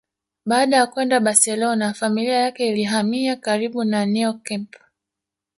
Baada ya kwenda Barcelona familia yake ilihamia karibu na Neo camp